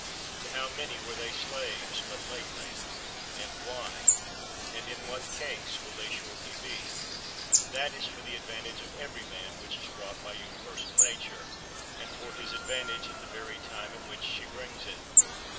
To how many were they slaves but lately, and why! And in what case will they shortly be? 20. That is for the advantage of every man which is brought by universal Nature; and for his advantage at the very time at which she brings it.